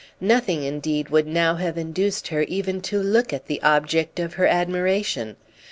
Nothing indeed would now have induced her even to look at the object of her admiration.